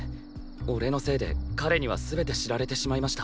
俺のせいで彼には全て知られてしまいました。